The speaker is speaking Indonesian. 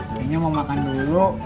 kayaknya mau makan dulu